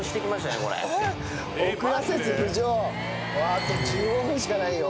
あと１５分しかないよ。